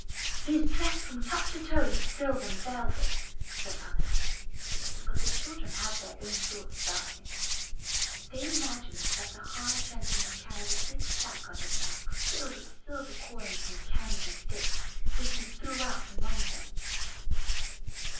'' '*He is dressed from top to toe in silver and velvet," said others. But the children had their own thoughts about him. They imagined that the high gentleman carried a big sack on his back filled with silver coins and candy sticks, which he threw out among them.